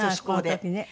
この時ね。